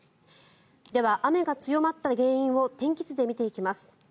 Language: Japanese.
では、雨が強まった原因を天気図で見ていきます。